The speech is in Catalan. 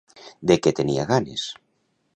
De què tenia ganes?